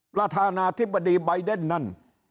ประธานาธิบดีใบเดนนั่น